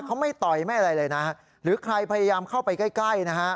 เขาไม่ต่อยไม่อะไรเลยนะฮะหรือใครพยายามเข้าไปใกล้ใกล้นะฮะ